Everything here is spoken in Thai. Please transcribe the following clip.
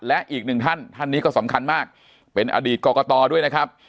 และอีกหนึ่งท่านท่านนี้ก็สำคัญมากเป็นอดีตกรกตด้วยนะครับ